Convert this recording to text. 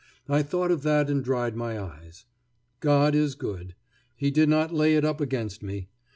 I thought of that and dried my eyes. God is good. He did not lay it up against me.